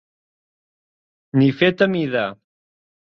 Ni fet a mida.